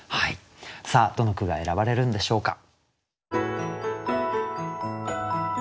さあどの句が選ばれるんでしょうか？